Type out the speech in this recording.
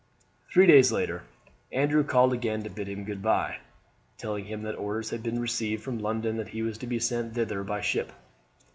Three days later Andrew called again to bid him goodbye, telling him that orders had been received from London that he was to be sent thither by ship.